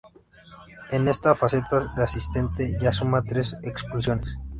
En esta faceta de asistente ya suma tres expulsiones.